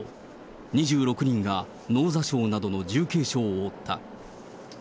２６人が脳挫傷などの重軽傷を負った。